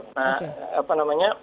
nah apa namanya